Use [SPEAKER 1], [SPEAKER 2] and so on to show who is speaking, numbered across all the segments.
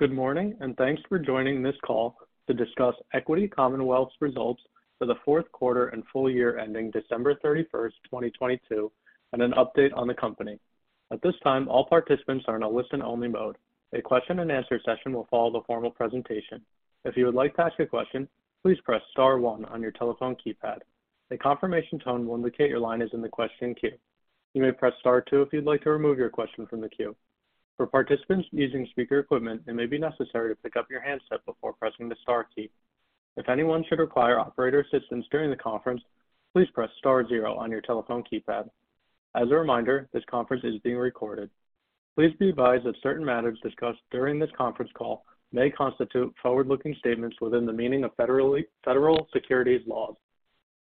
[SPEAKER 1] Good morning. Thanks for joining this call to discuss Equity Commonwealth's results for the Q4 and full year ending December 31st, 2022, and an update on the company. At this time, all participants are in a listen-only mode. A question-and-answer session will follow the formal presentation. If you would like to ask a question, please press star one on your telephone keypad. A confirmation tone will indicate your line is in the question queue. You may press star two if you'd like to remove your question from the queue. For participants using speaker equipment, it may be necessary to pick up your handset before pressing the star key. If anyone should require operator assistance during the conference, please press star zero on your telephone keypad. As a reminder, this conference is being recorded. Please be advised that certain matters discussed during this conference call may constitute forward-looking statements within the meaning of federal securities laws.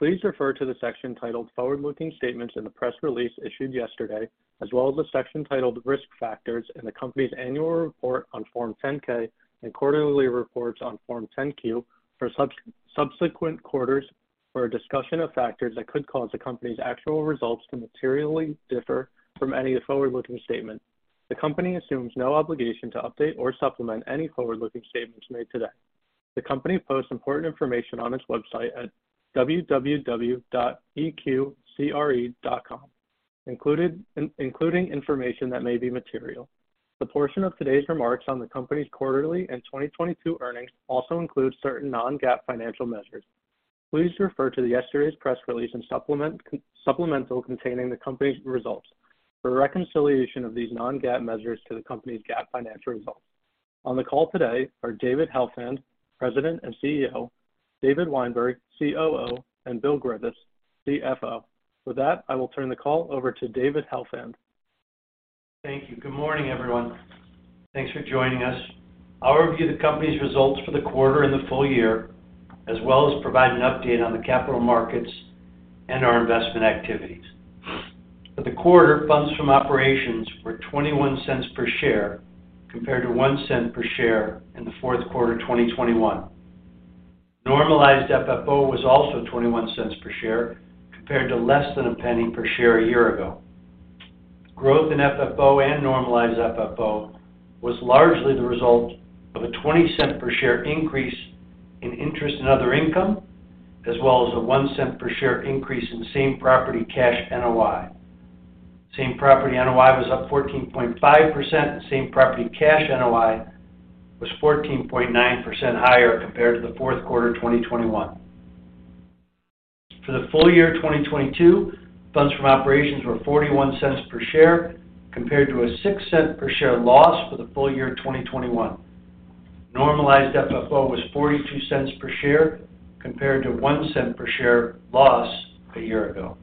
[SPEAKER 1] Please refer to the section titled "Forward-Looking Statements" in the press release issued yesterday, as well as the section titled "Risk Factors" in the company's annual report on Form 10-K and quarterly reports on Form 10-Q for subsequent quarters for a discussion of factors that could cause the company's actual results to materially differ from any forward-looking statement. The company assumes no obligation to update or supplement any forward-looking statements made today. The company posts important information on its website at www.eqcre.com. including information that may be material. The portion of today's remarks on the company's quarterly and 2022 earnings also include certain non-GAAP financial measures. Please refer to yesterday's press release and supplemental containing the company's results for a reconciliation of these non-GAAP measures to the company's GAAP financial results. On the call today are David Helfand, President and CEO, David Weinberg, COO, and Bill Griffiths, CFO. With that, I will turn the call over to David Helfand.
[SPEAKER 2] Thank you. Good morning, everyone. Thanks for joining us. I'll review the company's results for the quarter and the full year, as well as provide an update on the capital markets and our investment activities. For the quarter, funds from operations were $0.21 per share, compared to $0.01 per share in the fourth quarter of 2021. Normalized FFO was also $0.21 per share, compared to less than $0.01 per share a year ago. Growth in FFO and Normalized FFO was largely the result of a $0.20 per share increase in interest in other income, as well as a $0.01 per share increase in same-property cash NOI. Same-property NOI was up 14.5%, and same-property cash NOI was 14.9% higher compared to the fourth quarter of 2021. For the full year of 2022, funds from operations were $0.41 per share, compared to a $0.06 per share loss for the full year of 2021. Normalized FFO was $0.42 per share, compared to a $0.01 per share loss a year ago.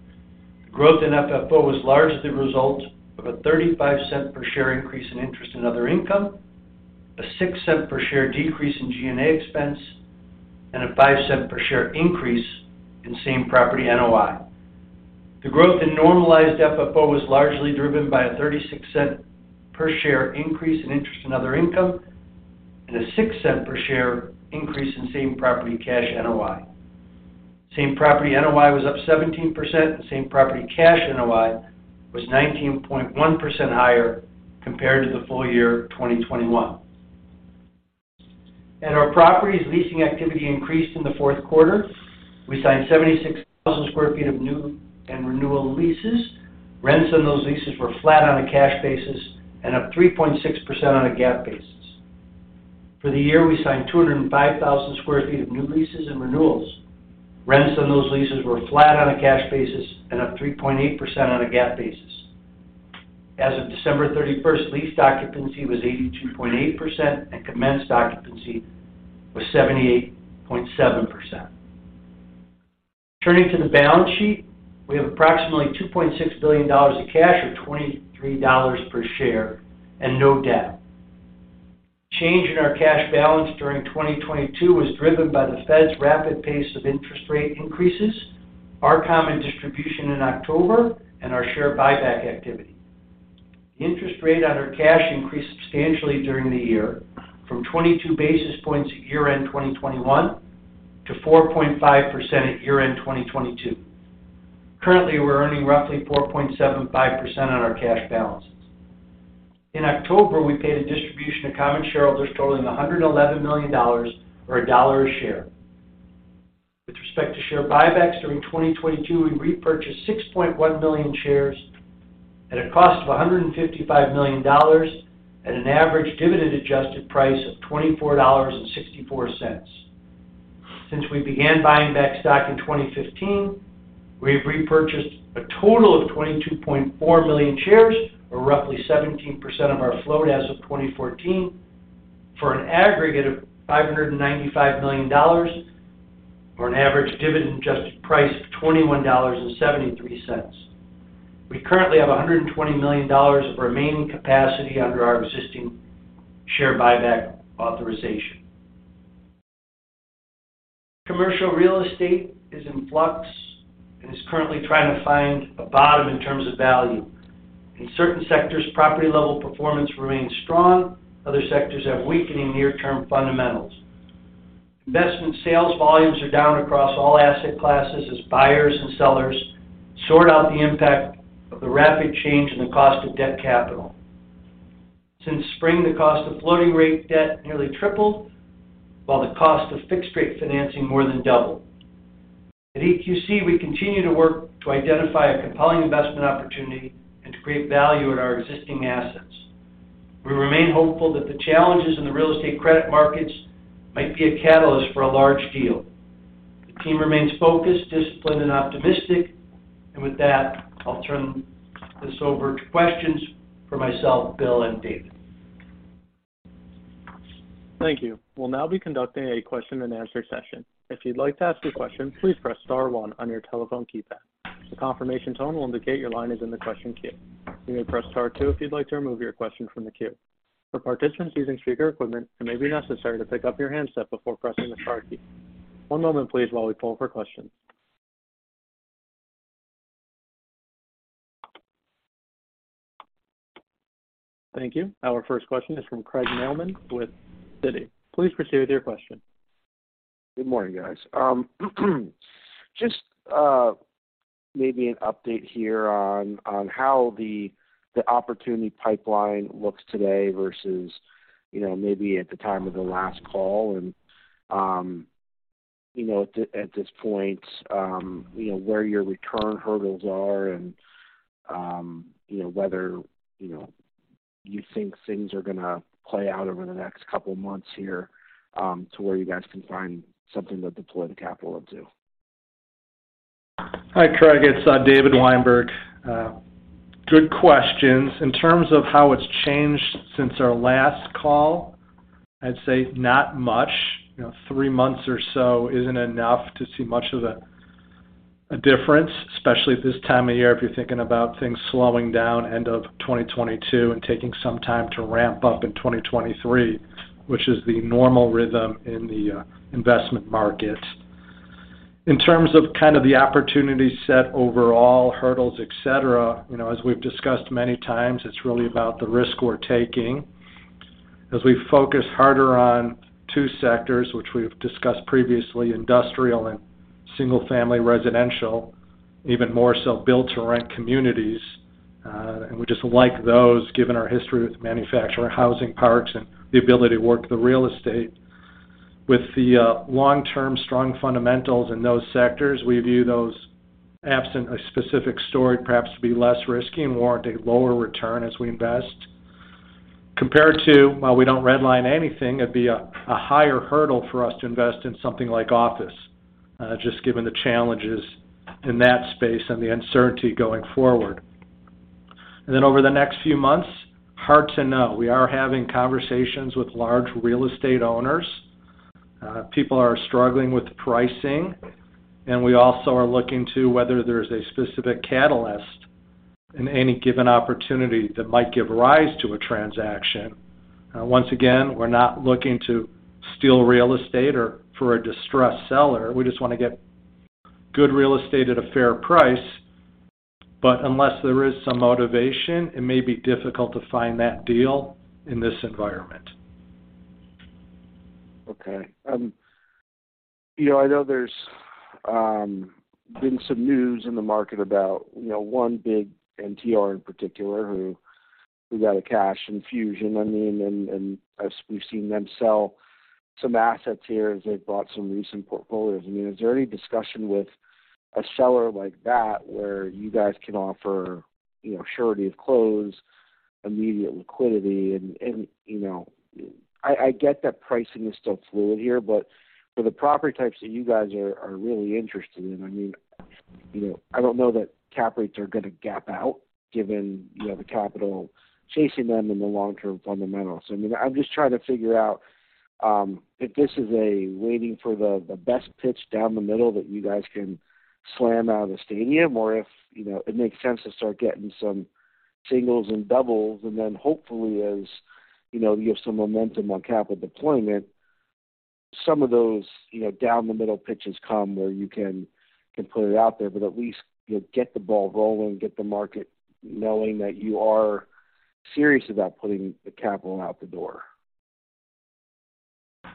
[SPEAKER 2] The growth in FFO was largely the result of a $0.35 per share increase in interest in other income, a $0.06 per share decrease in G&A expense, and a $0.05 per share increase in same-property NOI. The growth in Normalized FFO was largely driven by a $0.36 per share increase in interest in other income and a $0.06 per share increase in same-property cash NOI. Same-property NOI was up 17%, and same-property cash NOI was 19.1% higher compared to the full year of 2021. At our properties, leasing activity increased in the Q4. We signed 76,000 sq ft of new and renewal leases. Rents on those leases were flat on a cash basis and up 3.6% on a GAAP basis. For the year, we signed 205,000 sq ft of new leases and renewals. Rents on those leases were flat on a cash basis and up 3.8% on a GAAP basis. As of December 31st, lease occupancy was 82.8%, and commenced occupancy was 78.7%. Turning to the balance sheet, we have approximately $2.6 billion in cash, or $23 per share, and no debt. Change in our cash balance during 2022 was driven by the Fed's rapid pace of interest rate increases, our common distribution in October, and our share buyback activity. The interest rate on our cash increased substantially during the year, from 22 basis points at year-end 2021 to 4.5% at year-end 2022. Currently, we're earning roughly 4.75% on our cash balances. In October, we paid a distribution to common shareholders totaling $111 million or $1 a share. With respect to share buybacks during 2022, we repurchased 6.1 million shares at a cost of $155 million at an average dividend adjusted price of $24.64. Since we began buying back stock in 2015, we have repurchased a total of 22.4 million shares, or roughly 17% of our float as of 2014, for an aggregate of $595 million, or an average dividend-adjusted price of $21.73. We currently have $120 million of remaining capacity under our existing share buyback authorization. Commercial real estate is in flux and is currently trying to find a bottom in terms of value. In certain sectors, property-level performance remains strong. Other sectors have weakening near-term fundamentals. Investment sales volumes are down across all asset classes as buyers and sellers sort out the impact of the rapid change in the cost of debt capital. Since spring, the cost of floating rate debt nearly tripled, while the cost of fixed-rate financing more than doubled. At EQC, we continue to work to identify a compelling investment opportunity and to create value at our existing assets. We remain hopeful that the challenges in the real estate credit markets might be a catalyst for a large deal. The team remains focused, disciplined, and optimistic. With that, I'll turn this over to questions for myself, Bill, and David.
[SPEAKER 1] Thank you. We'll now be conducting a question-and-answer session. If you'd like to ask a question, please press star one on your telephone keypad. A confirmation tone will indicate your line is in the question queue. You may press star two if you'd like to remove your question from the queue. For participants using speaker equipment, it may be necessary to pick up your handset before pressing the star key. One moment please while we pull for questions. Thank you. Our first question is from Craig Mailman with Citi. Please proceed with your question.
[SPEAKER 3] Good morning, guys. just maybe an update here on how the opportunity pipeline looks today versus, you know, maybe at the time of the last call and, you know, at this point, you know, where your return hurdles are and, you know, whether, you know, you think things are gonna play out over the next couple of months here, to where you guys can find something to deploy the capital or two?
[SPEAKER 4] Hi, Craig. It's David Weinberg. Good questions. In terms of how it's changed since our last call, I'd say not much. You know, three months or so isn't enough to see much of a difference, especially at this time of year, if you're thinking about things slowing down end of 2022 and taking some time to ramp up in 2023, which is the normal rhythm in the investment market. In terms of kind of the opportunity set overall hurdles, et cetera, you know, as we've discussed many times, it's really about the risk we're taking. As we focus harder on two sectors, which we've discussed previously, industrial and single family residential, even more so build-to-rent communities, and we just like those given our history with manufactured housing parks and the ability to work the real estate. With the long-term strong fundamentals in those sectors, we view those absent a specific story, perhaps to be less risky and warrant a lower return as we invest. Compared to, while we don't red line anything, it'd be a higher hurdle for us to invest in something like office, just given the challenges in that space and the uncertainty going forward. Over the next few months, hard to know. We are having conversations with large real estate owners. People are struggling with pricing, and we also are looking to whether there is a specific catalyst in any given opportunity that might give rise to a transaction. Once again, we're not looking to steal real estate or for a distressed seller. We just wanna get good real estate at a fair price. Unless there is some motivation, it may be difficult to find that deal in this environment.
[SPEAKER 3] Okay. you know, I know there's been some news in the market about, you know, one big NTR in particular who got a cash infusion. I mean, as we've seen them sell some assets here as they've bought some recent portfolios. I mean, is there any discussion with a seller like that where you guys can offer, you know, surety of close, immediate liquidity? You know, I get that pricing is still fluid here, but for the property types that you guys are really interested in, I mean, you know, I don't know that cap rates are gonna gap out given, you know, the capital chasing them in the long term fundamentals. I mean, I'm just trying to figure out if this is a waiting for the best pitch down the middle that you guys can slam out of the stadium or if, you know, it makes sense to start getting some singles and doubles. Hopefully as, you know, you have some momentum on capital deployment, some of those, you know, down the middle pitches come where you can put it out there, but at least, you know, get the ball rolling, get the market knowing that you are serious about putting the capital out the door.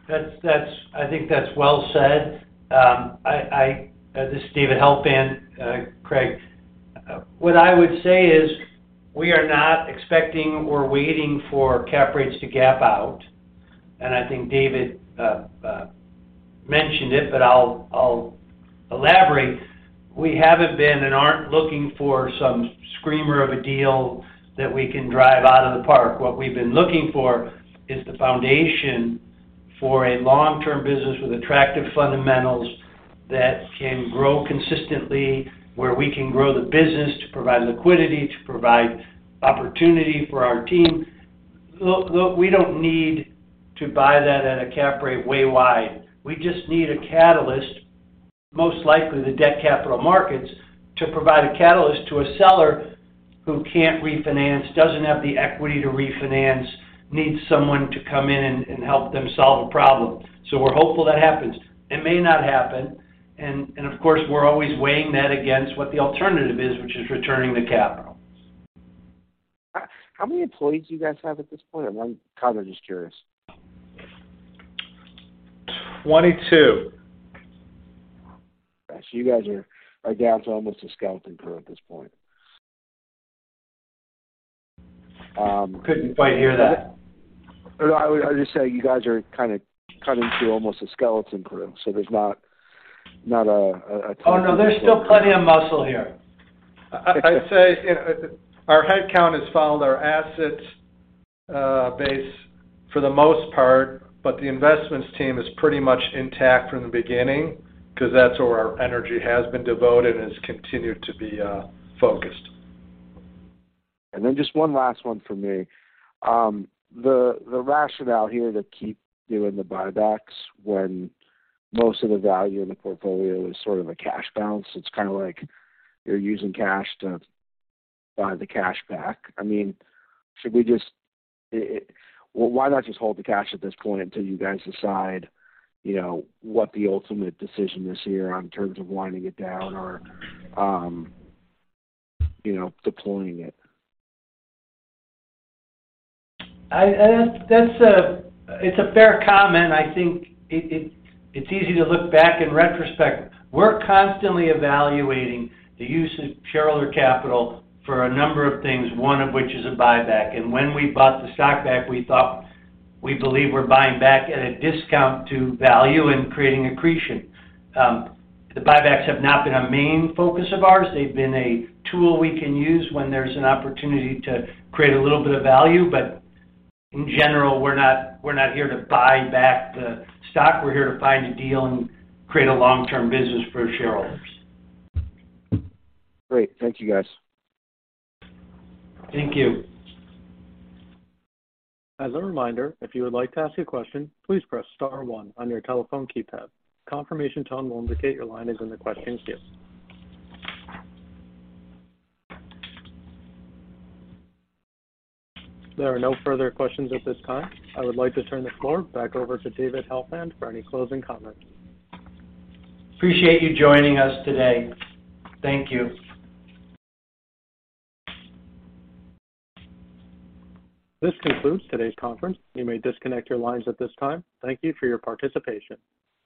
[SPEAKER 2] That's I think that's well said. This is David Helfand. Craig, what I would say is we are not expecting or waiting for cap rates to gap out. I think David mentioned it, but I'll elaborate. We haven't been and aren't looking for some screamer of a deal that we can drive out of the park. What we've been looking for is the foundation for a long-term business with attractive fundamentals that can grow consistently, where we can grow the business to provide liquidity, to provide opportunity for our team. Look, we don't need to buy that at a cap rate way wide. We just need a catalyst, most likely the debt capital markets, to provide a catalyst to a seller who can't refinance, doesn't have the equity to refinance, needs someone to come in and help them solve a problem. We're hopeful that happens. It may not happen. Of course, we're always weighing that against what the alternative is, which is returning the capital.
[SPEAKER 3] How many employees do you guys have at this point? I'm kind of just curious.
[SPEAKER 2] 22.
[SPEAKER 3] you guys are down to almost a skeleton crew at this point.
[SPEAKER 2] Couldn't quite hear that.
[SPEAKER 3] No, I was just saying, you guys are kind of cutting to almost a skeleton crew, so there's not a ton of people left.
[SPEAKER 2] Oh, no, there's still plenty of muscle here. I'd say, you know, our headcount has followed our asset base for the most part, but the investments team is pretty much intact from the beginning because that's where our energy has been devoted and has continued to be focused.
[SPEAKER 3] Just one last one from me. The, the rationale here to keep doing the buybacks when most of the value in the portfolio is sort of a cash balance, it's kind of like you're using cash to buy the cash back. I mean, well, why not just hold the cash at this point until you guys decide, you know, what the ultimate decision is here in terms of winding it down or, you know, deploying it?
[SPEAKER 2] I That's a fair comment. I think it's easy to look back in retrospect. We're constantly evaluating the use of shareholder capital for a number of things, one of which is a buyback. When we bought the stock back, we believe we're buying back at a discount to value and creating accretion. The buybacks have not been a main focus of ours. They've been a tool we can use when there's an opportunity to create a little bit of value. In general, we're not here to buy back the stock. We're here to find a deal and create a long-term business for our shareholders.
[SPEAKER 3] Great. Thank you, guys.
[SPEAKER 2] Thank you.
[SPEAKER 1] As a reminder, if you would like to ask a question, please press star one on your telephone keypad. Confirmation tone will indicate your line is in the question queue. There are no further questions at this time. I would like to turn the floor back over to David Helfand for any closing comments.
[SPEAKER 2] Appreciate you joining us today. Thank you.
[SPEAKER 1] This concludes today's conference. You may disconnect your lines at this time. Thank you for your participation.